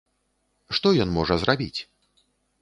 Што ён можа зрабіць?